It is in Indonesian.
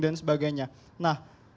dan sebagainya nah